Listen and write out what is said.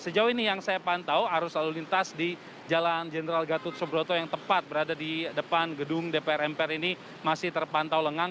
sejauh ini yang saya pantau arus lalu lintas di jalan jenderal gatot subroto yang tepat berada di depan gedung dpr mpr ini masih terpantau lengang